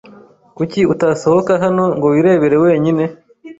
Kuki utasohoka hano ngo wirebere wenyine?